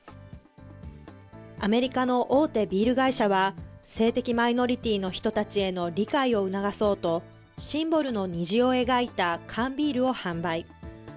アメリカの大手ビール会社は、性的マイノリティーの人たちへの理解を促そうと、シンボルの虹を描いた缶ビールを販売。